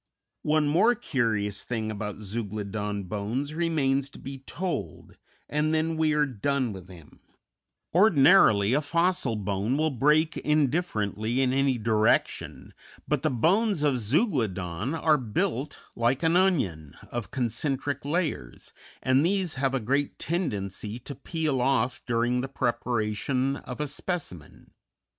One more curious thing about Zeuglodon bones remains to be told, and then we are done with him; ordinarily a fossil bone will break indifferently in any direction, but the bones of Zeuglodon are built, like an onion, of concentric layers, and these have a great tendency to peel off during the preparation of a specimen.